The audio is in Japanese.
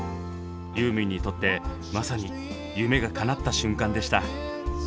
ユーミンにとってまさに夢がかなった瞬間でした。